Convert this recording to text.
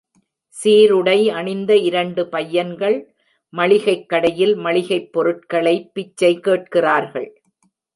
சீருடை அணிந்த இரண்டு பையன்கள் மளிகைக் கடையில் மளிகைப் பொருட்களை பிச்சை கேட்கிறார்கள்.